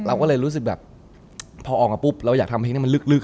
เราก็เลยรู้สึกแบบพอออกมาปุ๊บเราอยากทำเพลงให้มันลึก